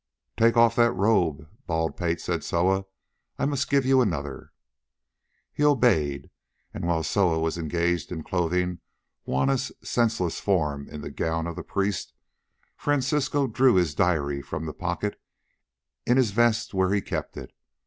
"Take off that robe, Bald pate," said Soa; "I must give you another." He obeyed, and while Soa was engaged in clothing Juanna's senseless form in the gown of the priest, Francisco drew his diary from the pocket in his vest where he kept it.